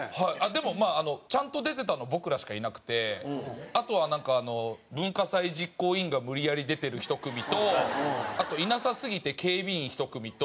でもちゃんと出てたの僕らしかいなくてあとはなんか文化祭実行委員が無理やり出てる１組とあといなさすぎて警備員１組と。